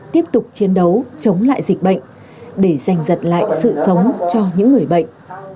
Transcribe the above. tiếp tục chiến đấu chống lại dịch bệnh để giành giật lại sự sống cho những người bệnh